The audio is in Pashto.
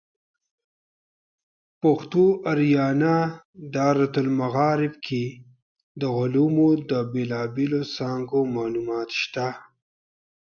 پښتو آریانا دایرة المعارف کې د علومو د بیلابیلو څانګو معلومات شته.